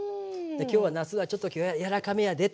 今日はなすはちょっと今日はやらかめやでとかね。